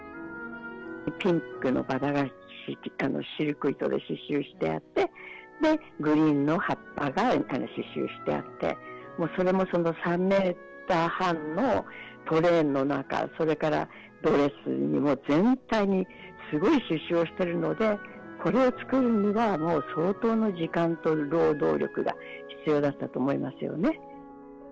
ピンクのバラが、シルク糸で刺しゅうしてあって、グリーンの葉っぱが刺しゅうしてあって、もうそれもその３メーター半のトレーンの中、それからドレスの全体にすごい刺しゅうをしているので、これを作るには、もう相当の時間と労働力が必要だったと思いますよね。